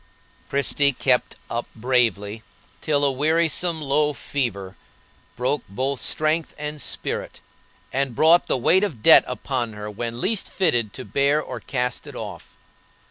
Christie kept up bravely till a wearisome low fever broke both strength and spirit, and brought the weight of debt upon her when least fitted to bear or cast it off.